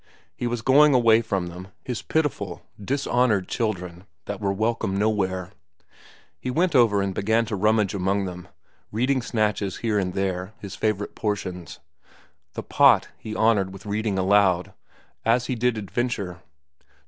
He was going away from them, his pitiful, dishonored children that were welcome nowhere. He went over and began to rummage among them, reading snatches here and there, his favorite portions. "The Pot" he honored with reading aloud, as he did "Adventure."